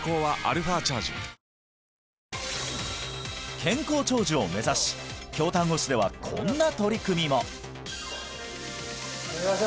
健康長寿を目指し京丹後市ではこんな取り組みもすいません